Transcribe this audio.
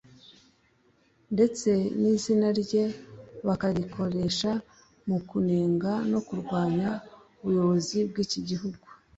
ndetse izina rye bakarikoresha mu kunenga no kurwanya ubuyobozi bw’iki gihugu